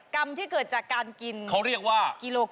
กรรมที่เกิดจากการกินกิโลกรัมเขาเรียกว่า